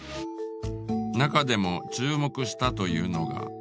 中でも注目したというのが？